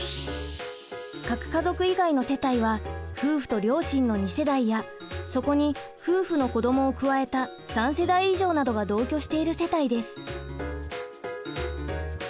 核家族以外の世帯は夫婦と両親の２世代やそこに夫婦の子どもを加えた３世代以上などが同居している世帯です。